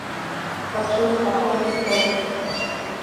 Вакшер вӱдым ом ситаре